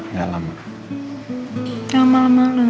nggak lama lama lu